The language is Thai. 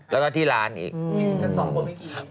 แล้วก็ที่ร้านอีก